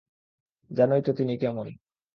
জানোই তো তিনি কেমন।